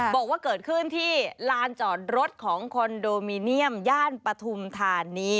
บอกว่าเกิดขึ้นที่ลานจอดรถของคอนโดมิเนียมย่านปฐุมธานี